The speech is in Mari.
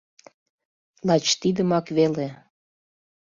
— Лач тидымак веле.